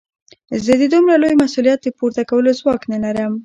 زه د دومره لوی مسوليت د پورته کولو ځواک نه لرم.